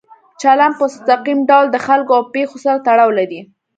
چلند په مستقیم ډول د خلکو او پېښو سره تړاو لري.